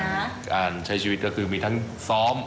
การใช้ชีวิตก็คือมีทั้งซ้อม